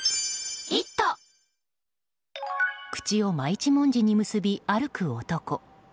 口を真一文字に結び歩く男。